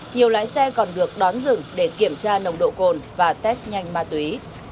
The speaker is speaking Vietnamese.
nhiều lái xe còn được đón dừng để kiểm tra nồng độ cồn và test nhanh ma túy